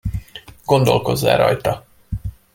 Gondolkozz el rajta!